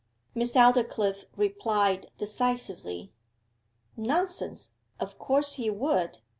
Miss Aldclyffe replied decisively 'Nonsense; of course he would.